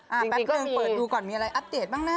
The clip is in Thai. แป๊บนึงเปิดดูก่อนมีอะไรอัปเดตบ้างนะ